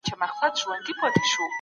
پاچاهان په وروستي پړاو کي کمزوري کیږي.